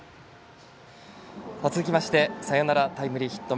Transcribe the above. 続いてサヨナラタイムリーヒット